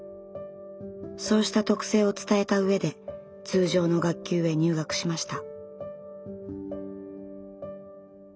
そうした特性を伝えた上で通常の学級へ入学しました。